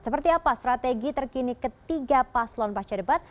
seperti apa strategi terkini ketiga paslon pasca debat